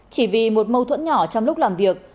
chỉ vì một mâu thuẫn nhỏ trong lúc làm việc